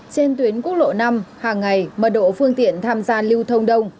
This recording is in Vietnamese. trên tuyến quốc lộ năm hàng ngày mật độ phương tiện tham gia lưu thông đông